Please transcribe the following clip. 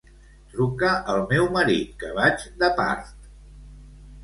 Truca al meu marit, que vaig de part.